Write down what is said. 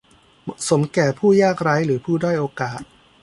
เหมาะสมแก่ผู้ยากไร้หรือผู้ด้อยโอกาส